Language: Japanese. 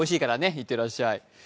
行ってらっしゃい。